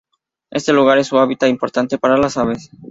Este lugar es un hábitat importante para las aves.